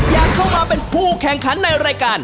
อยากเข้ามาเป็นผู้แข่งขันในรายการ